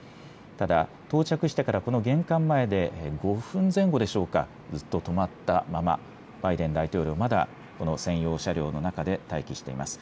ただ、到着してからこの玄関前で５分前後でしょうか、ずっと止まったまま、バイデン大統領、まだこの専用車両の中で待機しています。